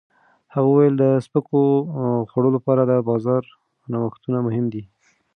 هغه وویل د سپکو خوړو لپاره د بازار نوښتونه مهم دي.